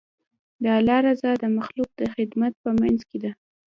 د الله رضا د مخلوق د خدمت په منځ کې ده.